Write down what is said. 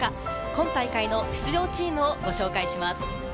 本大会の出場チームをご紹介します。